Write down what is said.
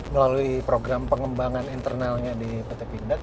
melalui program pengembangan internalnya di pt pindad